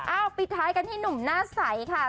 ปิดท้ายกันที่หนุ่มหน้าใสค่ะ